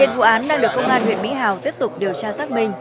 hiện vụ án đang được công an huyện mỹ hào tiếp tục điều tra xác minh